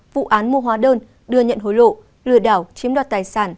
vụ án mua hóa đơn đưa nhận hối lộ lừa đảo chiếm đoạt tài sản